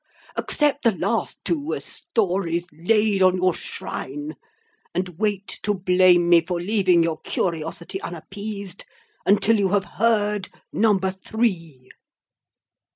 Accept the last two as stories laid on your shrine; and wait to blame me for leaving your curiosity unappeased, until you have heard Number Three."